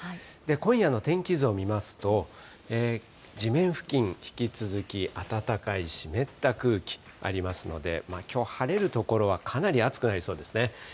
今夜の天気図を見ますと、地面付近、引き続き暖かい湿った空気入りますので、きょう、晴れる所はかなり暑くなりそうですね。